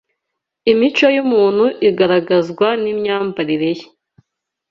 Imico y’umuntu igaragazwa n’imyambarire ye